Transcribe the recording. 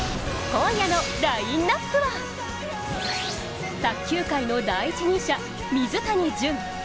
今夜のラインナップは、卓球界の第一人者・水谷隼。